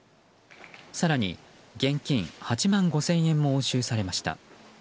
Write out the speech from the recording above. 更に、現金８万５０００円も押収されました。